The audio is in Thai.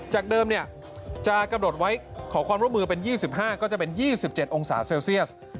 จากเดิมจะกำหนดไว้ขอความร่วมมือเป็น๒๕ก็จะเป็น๒๗องศาเซลเซียส